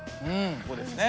ここですね。